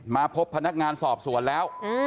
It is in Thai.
มาพบพนักงานสอบสวนแล้ว